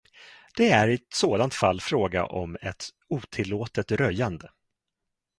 Det är i ett sådant fall fråga om ett otillåtet röjande.